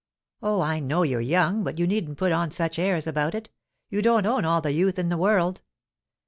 'Oh, I know you're young, but you needn't put on such airs about it. You don't own all the youth in the world.